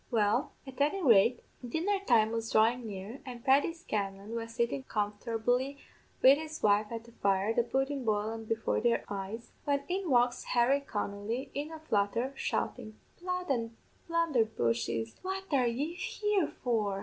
"Well, at any rate, dinner time was dhrawin' near, and Paddy Scanlan was sittin' comfortably wid his wife at the fire, the pudden boilen before their eyes, when in walks Harry Connolly, in a flutter, shoutin' 'Blood an' blunderbushes, what are yez here for?'